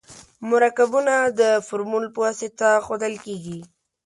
مرکبونه د فورمول په واسطه ښودل کیږي.